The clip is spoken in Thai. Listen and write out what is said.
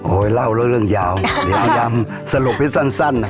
โอ้ยเล่าเรื่องยาวเรียมพยายามสลบไปสั้น